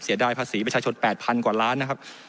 เสียดายภาษีประชาชน๘๐๐กว่าล้านนะครับ